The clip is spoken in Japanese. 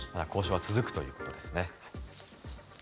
交渉は続くということですね。